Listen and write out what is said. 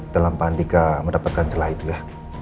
dalam pak andika mendapatkan celah itu ya